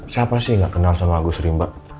siapa sih gak kenal sama lagu serimbang